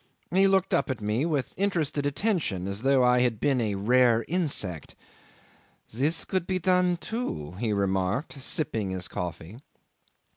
He looked up at me with interested attention, as though I had been a rare insect. "This could be done, too," he remarked, sipping his coffee.